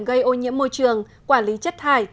gây ô nhiễm môi trường quản lý chất thải